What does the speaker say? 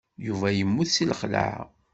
Yuba yemmut seg lxelɛa.